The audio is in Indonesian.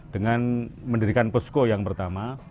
dengan mendirikan posko yang pertama